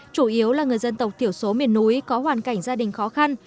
chủ yếu là người dân tộc thiểu số miền núi có hoàn cảnh gia đình khó khăn